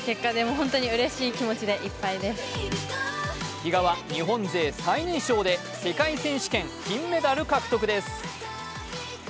比嘉は日本勢最年少で世界選手権金メダル獲得です。